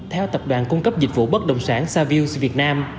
theo tập đoàn cung cấp dịch vụ bất đồng sản savills việt nam